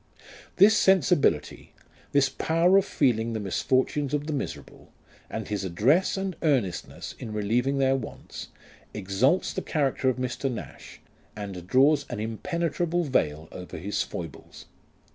This sensibility, this power of feeling the misfortunes of the miserable, and his address and earnestness in relieving their wants, exalts the character of Mr. Nash, and draws an impenetrable veil over his foibles.